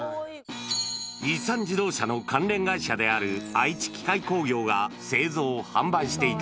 日産自動車の関連会社である愛知機械工業が製造・販売していた。